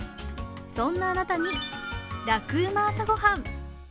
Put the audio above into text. そんなあなたに「ラクうま！朝ごはん」。